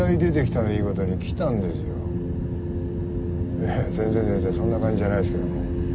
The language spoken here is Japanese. いや全然全然そんな感じじゃないですけど。